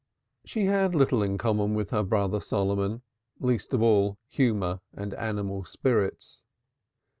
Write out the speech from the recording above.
She had little in common with her brother Solomon, least of all humor and animal spirits.